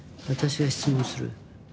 私が質問する。